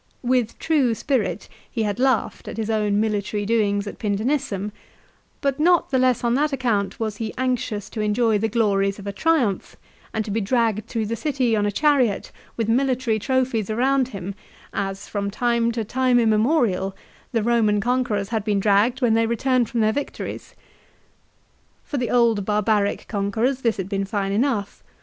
With true spirit he had laughed at his own military doings at Pindenissum; but not the less on that account was he anxious to enjoy the glories of a Triumph, and to be dragged through the city on a chariot, with military trophies around him, as, from time to time immemorial the Roman conquerors had been dragged when they returned from their victories. For the old barbaric conquerors this had been fine enough.